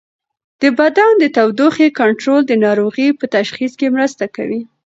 د بدن د تودوخې کنټرول د ناروغۍ په تشخیص کې مرسته کوي.